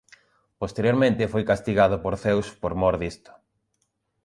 Posteriormente foi castigado por Zeus por mor disto.